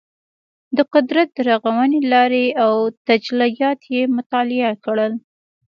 د قدرت د رغونې لارې او تجلیات یې مطالعه کړل.